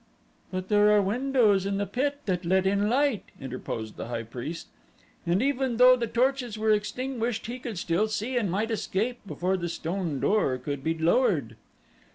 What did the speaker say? "But there are windows in the pit that let in light," interposed the high priest, "and even though the torches were extinguished he could still see and might escape before the stone door could be lowered."